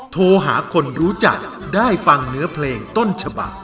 โทรหาคนรู้จักได้ฟังเนื้อเพลงต้นฉบัก